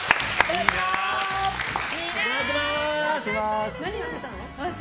いただきます！